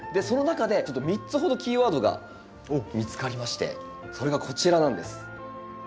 その中でちょっと３つほどキーワードが見つかりましてそれがこちらなんです。